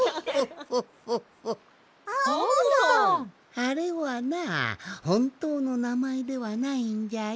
あれはなほんとうのなまえではないんじゃよ。